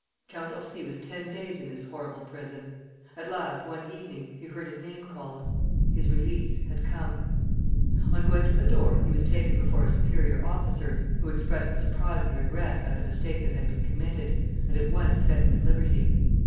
Count Orsi was ten days in this horrible prison. At last one evening he heard his name called. His release had come. On going to the door he was taken before a superior officer, who expressed surprise and regret at the mistake that had been committed, and at once set him at liberty.